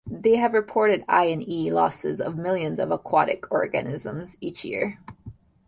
They have reported I and E losses of millions of aquatic organisms each year.